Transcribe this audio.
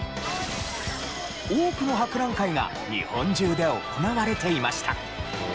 多くの博覧会が日本中で行われていました。